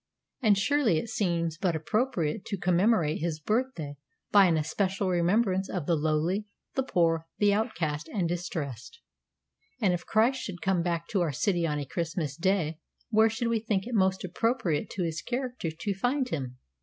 And surely, it seems but appropriate to commemorate his birthday by an especial remembrance of the lowly, the poor, the outcast, and distressed; and if Christ should come back to our city on a Christmas day, where should we think it most appropriate to his character to find him?